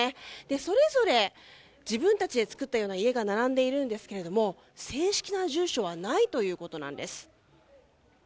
それぞれ自分たちで作ったような家が並んでいるんですけれど正式な住所はないということなんです。